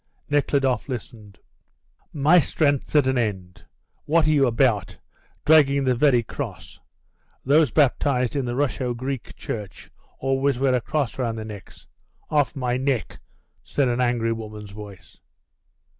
Nekhludoff listened. "My strength's at an end. What are you about, dragging the very cross [those baptized in the Russo Greek Church always wear a cross round their necks] off my neck," said an angry woman's voice.